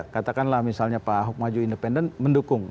katakanlah misalnya pak ahok maju independen mendukung